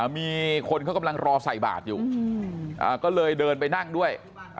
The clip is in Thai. มีคนเขากำลังรอใส่บาทอยู่ก็เลยเดินไปนั่งด้วย